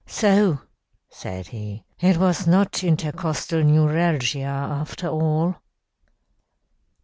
"'So,' said he, 'it was not intercostal neuralgia after all.'